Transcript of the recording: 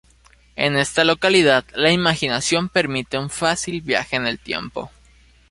En esta localidad la imaginación permite un fácil viaje en el tiempo.